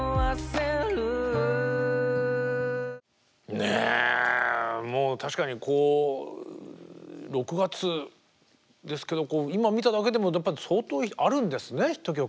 ねえもう確かにこう６月ですけど今見ただけでもやっぱり相当あるんですねヒット曲ね。